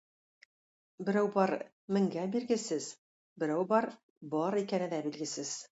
Берәү бар — меңгә биргесез, берәү бар — бар икәне дә билгесез.